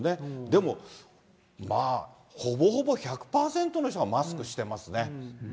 でも、まあ、ほぼほぼ１００％の人がマスクしてますね。